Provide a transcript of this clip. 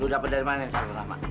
lo udah pendermannya di salonama